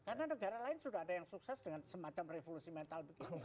karena negara lain sudah ada yang sukses dengan semacam revolusi mental